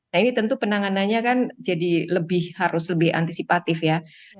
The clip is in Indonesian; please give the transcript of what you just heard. nah ini tentu penanganannya kan jadi harus lebih antisipatif ya